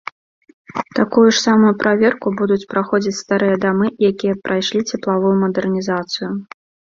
Такую ж самую праверку будуць праходзіць старыя дамы, якія прайшлі цеплавую мадэрнізацыю.